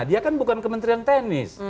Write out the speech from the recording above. dia kan bukan kementerian teknis